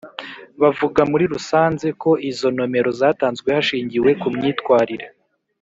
Bavuga muri rusanze ko izo nomero zatanzwe hashingiwe ku myitwarire